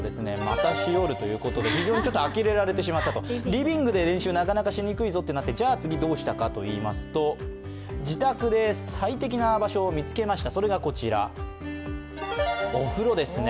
リビングで練習をなかなかしにくいぞってなってじゃ次、どうしたかといいますと自宅で最適な場所を見つけました。